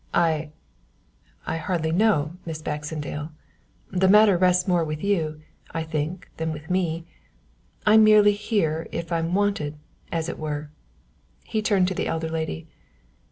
"I I hardly know, Miss Baxendale; the matter rests more with you, I think, than with me. I'm merely here if I'm wanted, as it were." He turned to the elder lady.